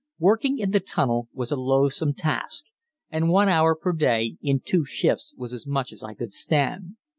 Working in the tunnel was a loathsome task, and one hour per day, in two shifts, was as much as I could stand.